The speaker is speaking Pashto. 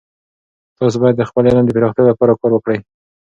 تاسې باید د خپل علم د پراختیا لپاره کار وکړئ.